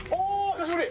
久しぶり！